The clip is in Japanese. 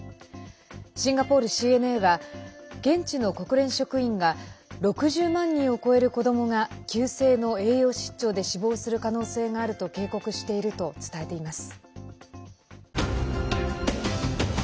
シンガポールＣＮＡは現地の国連職員が６０万人を超える子どもが急性の栄養失調で死亡する可能性があると警告していると伝えています。